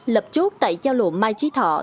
lập chốt tại giao lộ mai trí thọ